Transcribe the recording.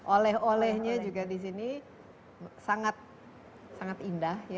oleh olehnya juga di sini sangat indah